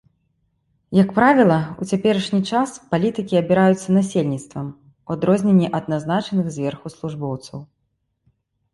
Як правіла, у цяперашні час палітыкі абіраюцца насельніцтвам, у адрозненне ад назначаных зверху службоўцаў.